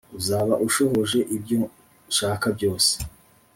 uzaba ushohoje ibyo nshaka byose